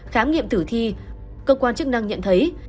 khám nghiệm tử thi cơ quan chức năng nhận thấy